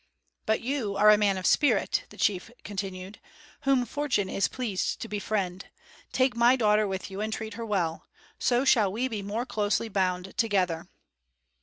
"But you are a man of spirit," the chief continued, "whom fortune is pleased to befriend. Take my daughter with you and treat her well. So shall we be more closely bound together."